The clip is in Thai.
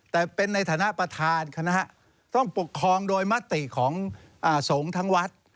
แต่เป็นในฐานะประธานคณะต้องปกครองโดยมติของสงฆ์ทั้งวัด